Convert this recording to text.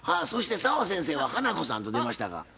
そして澤先生は「花子さん！」と出ましたが。